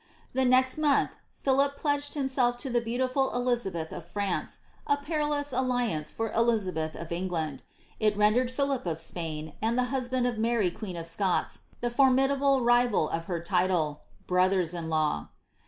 The next month, Philip pledged himself to the beautiful Elizabeth of France, a perilous alliance for Elisabeth of England ; it rendered Philip of Spain and the husband <d Blary queen of Scots, the formidable rival of her title, brothers in law.